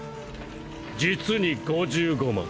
実に５５万。